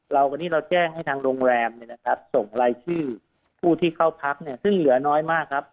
วันนี้เราแจ้งให้ทางโรงแรมส่งรายชื่อผู้ที่เข้าพักซึ่งเหลือน้อยมากครับ